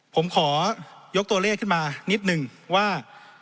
ผมขอยกตัวเลขขึ้นมานิดนึงว่า